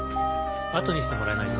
後にしてもらえないか。